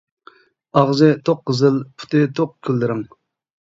ئاغزى توق قىزىل، پۇتى توق كۈل رەڭ.